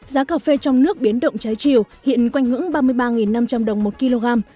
giá cà phê trong nước biến động trái chiều hiện quanh ngưỡng ba mươi ba năm trăm linh đồng một kg